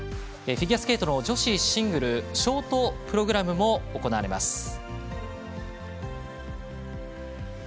フィギュアスケートの女子シングルショートプログラムも行われます。